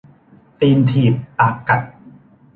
ตีนถีบปากกัด